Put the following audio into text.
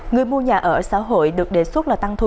người mua nhà ở xã hội được đề xuất là tăng thu